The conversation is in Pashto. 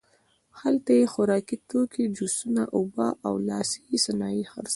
هلته یې خوراکي توکي، جوسونه، اوبه او لاسي صنایع خرڅول.